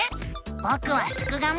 ぼくはすくがミ！